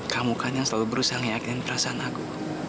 kamu kan yang selalu berusaha meyakin perasaan aku